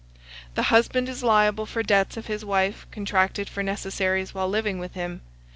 The husband is liable for debts of his wife contracted for necessaries while living with him.